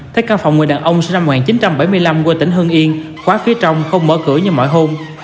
thấy căn phòng người đàn ông sinh năm một nghìn chín trăm bảy mươi năm quê tỉnh hưng yên khóa phía trong không mở cửa như mọi hôm